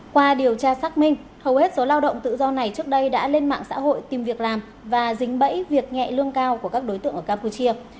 qua điều tra xác minh hầu hết số lao động tự do này trước đây đã lên mạng xã hội tìm việc làm và dính bẫy việc nhẹ lương cao của các đối tượng ở campuchia